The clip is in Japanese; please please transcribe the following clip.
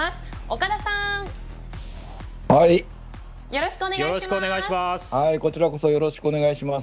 岡田さん、よろしくお願いします。